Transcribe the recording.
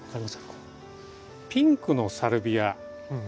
このピンクのサルビア。